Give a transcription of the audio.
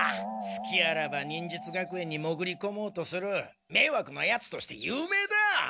すきあらば忍術学園にもぐりこもうとするめいわくなヤツとして有名だ！